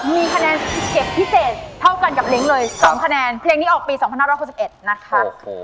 มีคะแนน๑๗พิเศษเท่ากันกับเล้งเลย๒คะแนนเพลงนี้ออกปี๒๕๖๑นะคะ